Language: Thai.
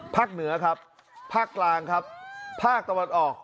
เหนือครับภาคกลางครับภาคตะวันออก